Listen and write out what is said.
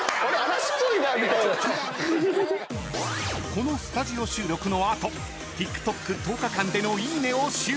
［このスタジオ収録の後ＴｉｋＴｏｋ１０日間でのいいねを集計］